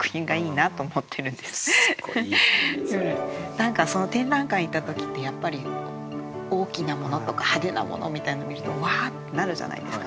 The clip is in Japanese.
何か展覧会行った時ってやっぱり大きなものとか派手なものみたいなの見るとわってなるじゃないですか。